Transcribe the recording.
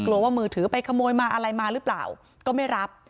กลัวว่ามือถือไปขโมยมาอะไรมาหรือเปล่าก็ไม่รับ